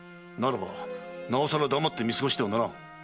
ならばなおさら黙って見過ごしてはならぬ。